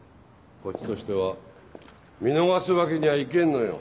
こっちとしては見逃すわけにはいけんのよ。